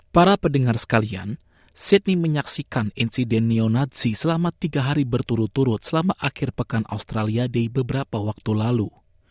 para pendengar sekalian sydney menyaksikan insiden neonatzi selama tiga hari berturut turut selama akhir pekan australia day beberapa waktu lalu